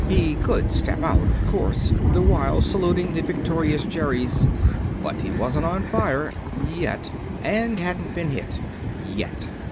He could step out, of course, the while saluting the victorious Jerries, but he wasn't on fire yet and hadn't been hit yet.